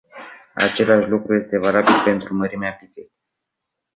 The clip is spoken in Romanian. Același lucru este valabil pentru mărimea pizzei.